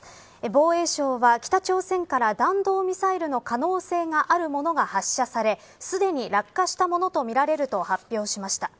防衛省は北朝鮮から弾道ミサイルの可能性があるものが発射されすでに落下したものとみられると発表しました。